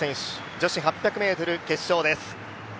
女子８００ｍ決勝です。